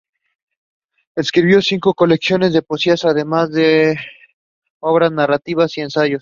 Escribió cinco colecciones de poesías, además de otras obras de narrativa y ensayos.